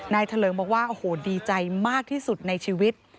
เถลิงบอกว่าโอ้โหดีใจมากที่สุดในชีวิต